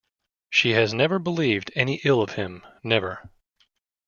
She has never believed any ill of him, never.